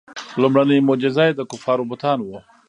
لومړنۍ معجزه یې د کفارو بتان وو.